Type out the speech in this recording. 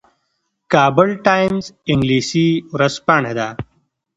کابل ټایمز انګلیسي ورځپاڼه ده